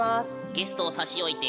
ゲストを差し置いて。